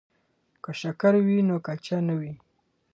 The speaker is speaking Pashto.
که شکر وي نو کچه نه وي.